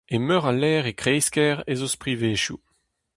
E meur a lec'h e kreiz-kêr ez eus privezioù.